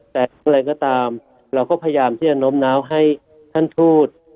แต่อะไรก็ตามเราก็พยายามที่จะโน้มน้าวให้ท่านทูต